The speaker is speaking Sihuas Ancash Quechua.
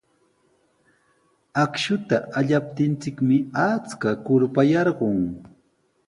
Akshuta allaptinchikmi achka kurpa yarqun.